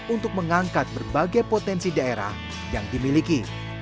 untuk mengangkat berbagai potensi daerah yang dimiliki